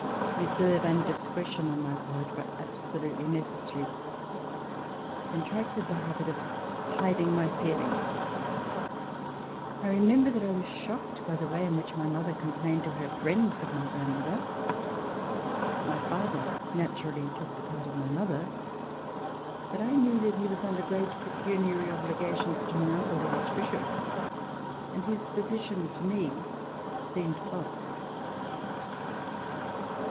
Reserve and discretion on my part were absolutely necessary. I contracted the habit of hiding my feelings. I re member that I was shocked by the way in which my mother complained to her friends of my grandmother. My father naturally took the part of my mother. But I knew that he was under great pecuniary obli gations to my uncle, the Archbishop, and his position, to me, seemed false.